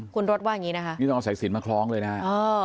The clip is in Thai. คุณรสว่างี้นะคะนี่ตอนสายศิลป์มาคล้องเลยน่ะอ่อ